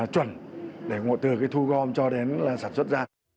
chuẩn từ thu gom cho đến sản xuất ra